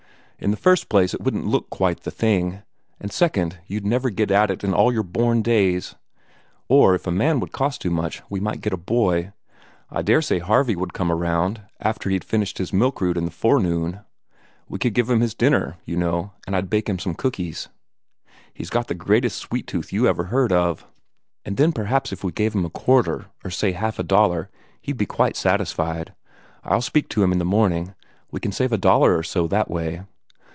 In the first place, it wouldn't look quite the thing, and, second, you'd never get at it in all your born days. Or if a man would cost too much, we might get a boy. I daresay Harvey would come around, after he'd finished with his milk route in the forenoon. We could give him his dinner, you know, and I'd bake him some cookies. He's got the greatest sweet tooth you ever heard of. And then perhaps if we gave him a quarter, or say half a dollar, he'd be quite satisfied. I'll speak to him in the morning. We can save a dollar or so that way."